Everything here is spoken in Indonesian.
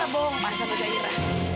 apa yang terbohong pada zaira